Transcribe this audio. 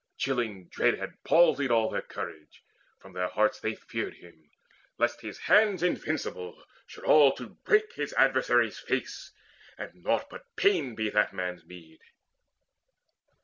Chilling dread had palsied all Their courage: from their hearts they feared him, lest His hands invincible should all to break His adversary's face, and naught but pain Be that man's meed.